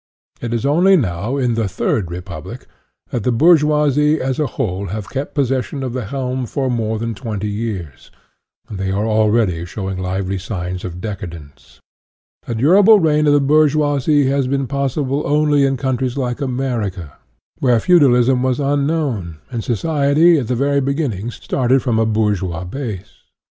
It is only now, in the third Republic, that the bourgeoisie as a whole have kept possession of the helm for more than twenty years; and they are already showing lively signs of decadence, f A durable reign of the bourgeoisie has been possible only in countries like America, where feudalism was unknown, and society at the very beginning started from a bourgeois basis.